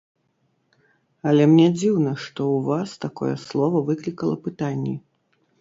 Але мне дзіўна, што ў Вас такое слова выклікала пытанні.